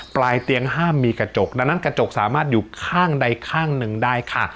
ปลายเตียงห้ามมีกระจกดังนั้นกระจกสามารถอยู่ข้างใดข้างหนึ่งได้ค่ะ